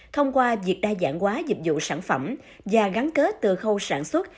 thông qua việc đa dạng quá dịch vụ sản phẩm và gắn kết từ khâu sản xuất